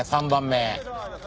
３番目。